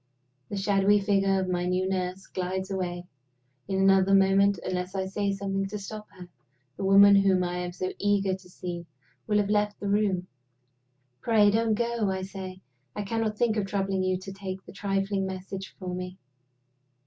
The shadowy figure of my new nurse glides away. In another moment, unless I say something to stop her, the woman whom I am so eager to see will have left the room. "Pray don't go!" I say. "I cannot think of troubling you to take a trifling message for me.